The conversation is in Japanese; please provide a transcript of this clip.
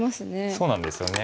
そうなんですよね。